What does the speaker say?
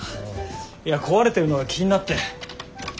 いや壊れてるのが気になって。